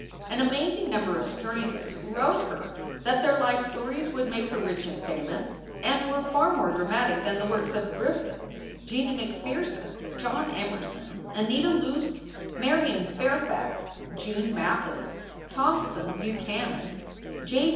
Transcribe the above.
An amazing number of strangers wrote her that their life stories would make her rich and famous, and were far more dramatic than the works of Griffith, Jeanie McPherson, John Emerson, Anita Loos, Marion Fairfax, June Mathis, Thompson Buchanan, J.